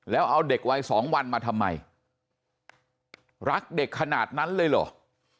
แล้วเอาเด็กวัยสองวันมาทำไมรักเด็กขนาดนั้นเลยเหรอ